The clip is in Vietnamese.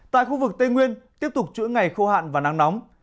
tại khu vực tây nguyên tiếp tục chuỗi ngày khô hạn và nắng nóng